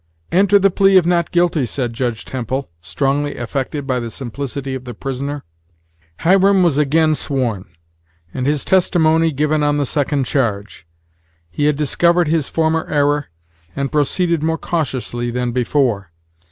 "Enter the plea of not guilty," said Judge Temple, strongly affected by the simplicity of the prisoner. Hiram was again sworn, and his testimony given on the second charge. He had discovered his former error, and proceeded more cautiously than before.